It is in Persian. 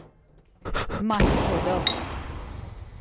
ماهی پلو